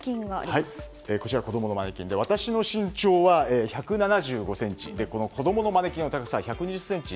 こちら子供のマネキンで私の身長は１７５ｃｍで子供のマネキンの高さは１２０ｃｍ。